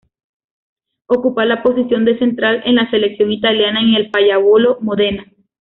Ocupa la posición de central en la selección italiana y en el Pallavolo Modena.